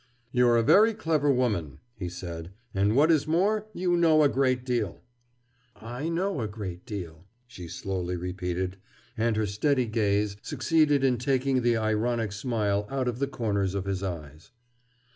"You are a very clever woman," he said. "And what is more, you know a great deal!" "I know a great deal!" she slowly repeated, and her steady gaze succeeded in taking the ironic smile out of the corners of his eyes.